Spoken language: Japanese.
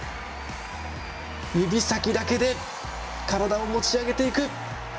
指先だけで体を持ち上げていく。